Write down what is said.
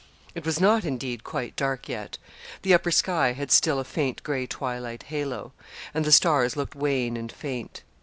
It was not, indeed, quite dark yet. The upper sky had still a faint gray twilight halo, and the stars looked wan and faint.